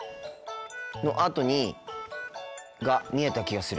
のあとにが見えた気がする。